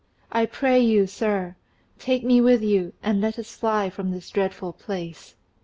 I pray you, sir, take me with you, and let us fly from this dreadful place."